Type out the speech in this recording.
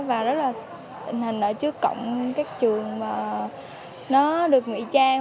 và rất là tình hình ở trước cổng các trường mà nó được ngụy trang